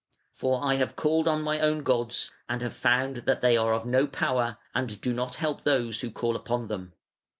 For I have called on my own gods and have found that they are of no power and do not help those who call upon them".